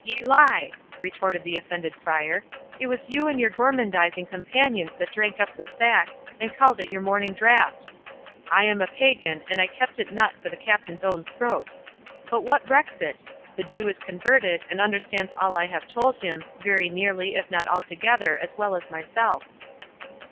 ye lie!" retorted the offended Friar; "it was you and your gormandizing companions that drank up the sack, and called it your morning draught—I am a pagan, an I kept it not for the Captain's own throat. But what recks it? The Jew is converted, and understands all I have told him, very nearly, if not altogether, as well as myself."